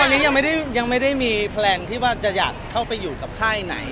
ตอนนี้ยังไม่ได้มีแพลนที่ว่าจะอยากเข้าไปอยู่กับค่ายไหน